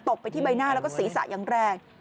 ไปที่ใบหน้าแล้วก็ศีรษะอย่างแรง